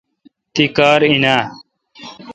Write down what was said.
تی کار این اؘ